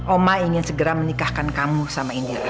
oma ingin segera menikahkan kamu sama india